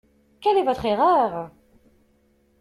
Quelle est votre erreur!